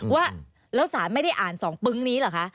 ว่าแล้วสารไม่ได้อ่าน๒ปึ๊งนี้เหรอคะ